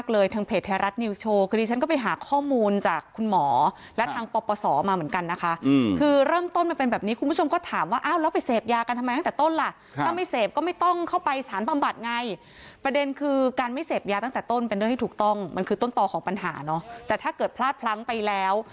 แล้วก็พูดได้แค่ว่าวันนี้มาถึงแล้ว